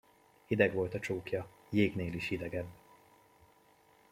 Hideg volt a csókja, jégnél is hidegebb.